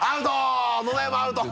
「アウト！